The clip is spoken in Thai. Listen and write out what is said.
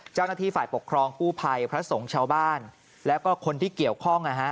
เจ้าหน้าที่ฝ่ายปกครองกู้ภัยพระสงฆ์ชาวบ้านแล้วก็คนที่เกี่ยวข้อง